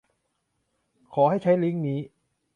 ขอให้ใช้ลิงก์นี้